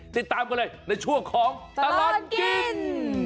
ติดตามกันเลยในช่วงของตลอดกิน